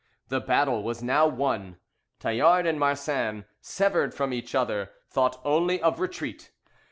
The battle was now won. Tallard and Marsin, severed from each other, thought only of retreat.